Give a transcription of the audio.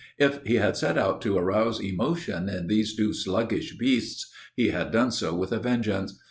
If he had set out to arouse emotion in these two sluggish breasts he had done so with a vengeance.